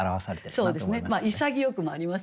そうですね。